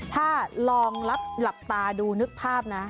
ถ้าลองหลับตาดูนึกภาพนะ